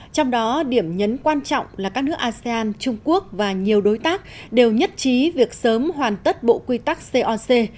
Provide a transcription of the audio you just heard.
trong đó điểm nhấn quan trọng là các nước asean trung quốc và nhiều đối tác đều nhất trí việc sớm hoàn tất bộ quy tắc coc